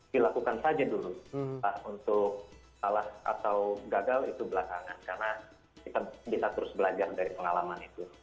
dilakukan saja dulu untuk salah atau gagal itu belakangan karena kita bisa terus belajar dari pengalaman itu